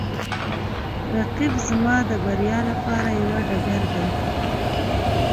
رقیب زما د بریا لپاره یوه ډګر دی